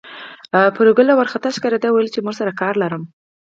پري ګله وارخطا ښکارېده او ويل يې چې مور سره کار لرم